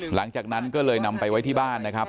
หลังจากนั้นก็เลยนำไปไว้ที่บ้านนะครับ